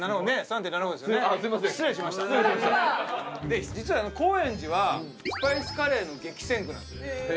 で実は高円寺はスパイスカレーの激戦区なんです。